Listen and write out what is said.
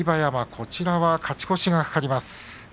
こちらは勝ち越しが懸かります。